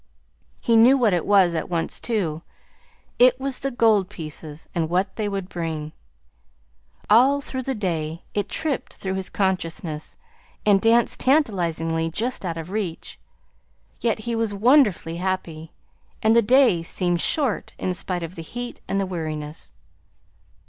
He knew what it was, at once, too. It was the gold pieces, and what they would bring. All through the day it tripped through his consciousness, and danced tantalizingly just out of reach. Yet he was wonderfully happy, and the day seemed short in spite of the heat and the weariness.